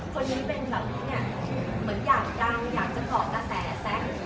คนนี้เป็นแบบนี้เนี่ยเหมือนอยากดังอยากจะเกาะกระแสแซ็ก